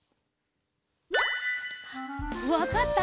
わかった？